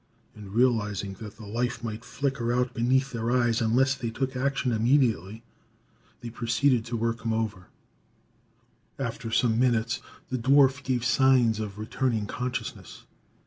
And realizing that the life might flicker out beneath their eyes unless they took action immediately, they proceeded to work over him. After some minutes, the dwarf gave signs of returning consciousness.